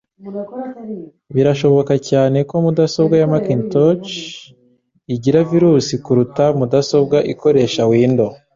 Birashoboka cyane ko mudasobwa ya Macintosh igira virusi kuruta mudasobwa ikoresha Windows.